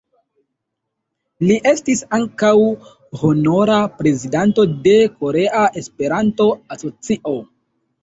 Li estis ankaŭ honora prezidanto de Korea Esperanto-Asocio.